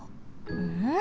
うん？